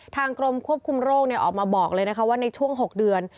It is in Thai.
กรมควบคุมโรคออกมาบอกเลยนะคะว่าในช่วง๖เดือน